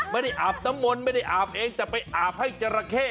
อาบน้ำมนต์ไม่ได้อาบเองแต่ไปอาบให้จราเข้